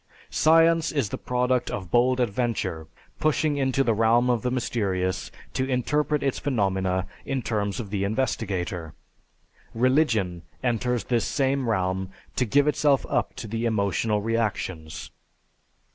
Science is the product of bold adventure, pushing into the realm of the mysterious to interpret its phenomena in terms of the investigator; religion enters this same realm to give itself up to the emotional reactions.